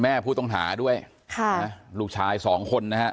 มันยังงันนึง